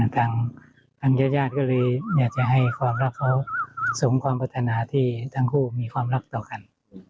ทางญาติญาติก็เลยอยากจะให้ความรักเขาสมความพัฒนาที่ทั้งคู่มีความรักต่อกัน